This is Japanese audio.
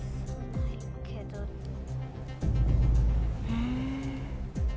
うん。